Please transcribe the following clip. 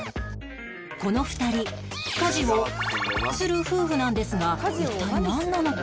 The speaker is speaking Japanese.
この２人家事をする夫婦なんですが一体なんなのか？